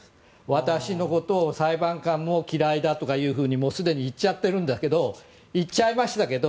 私のことを裁判官も嫌いだとかすでに言っちゃってるんだけど言っちゃいましたけど